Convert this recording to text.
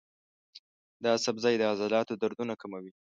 دا سبزی د عضلاتو دردونه کموي.